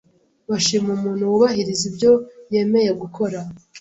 bashima umuntu wubahiriza ibyo yemeye gukora